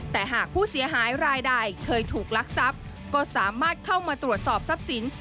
แต่หากผู้เสียหายรายใดเคยถูกลักทรัพย์ก็สามารถเข้ามาตรวจสอบทรัพย์สิน